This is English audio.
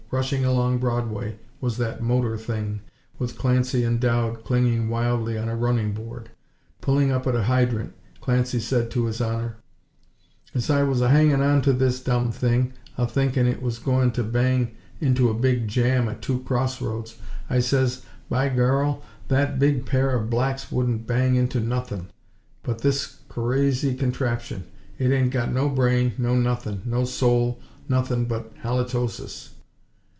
Rushing along Broadway was that "motor thing," with Clancy and Dowd clinging wildly on a running board. Pulling up at a hydrant, Clancy said to His Honor: "As I was a hangin' onto this dom thing, a thinkin' it was going to bang into a big jam at two crossroads, I says, By Gorra! that big pair of blacks wouldn't bang into nuthin'! But this currazy contraption! It ain't got no brain no nuthin', no soul nuthin' but halitosis!!"